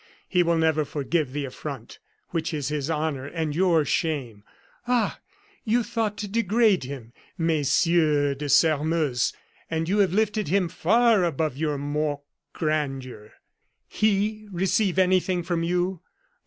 He will never forgive the affront which is his honor and your shame. Ah! you thought to degrade him, Messieurs de Sairmeuse! and you have lifted him far above your mock grandeur. He receive anything from you!